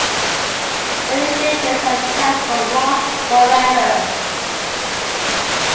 Many villages and towns were lost forever.